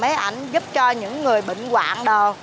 mấy ảnh giúp cho những người bệnh quạng đồ